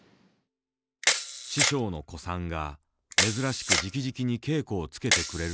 師匠の小さんが珍しく直々に稽古をつけてくれるという。